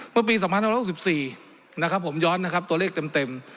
เมื่อปี๒๕๖๔นะครับผมย้อนนะครับตัวเลขเต็ม